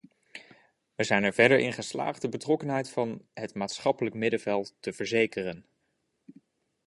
Wij zijn er verder in geslaagd de betrokkenheid van het maatschappelijk middenveld te verzekeren.